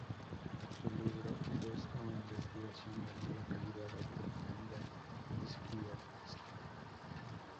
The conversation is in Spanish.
Su libro es o investigación de mala calidad o propaganda izquierdista".